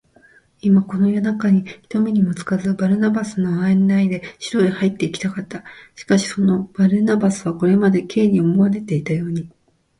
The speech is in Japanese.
今、この夜なかに、人目にもつかず、バルナバスの案内で城へ入っていきたかった。しかし、そのバルナバスは、これまで Ｋ に思われていたように、